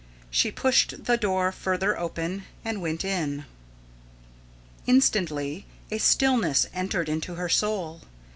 She pushed the door further open, and went in. Instantly a stillness entered into her soul.